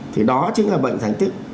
thì đó chính là bệnh thành tích